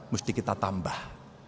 mesti kita tambah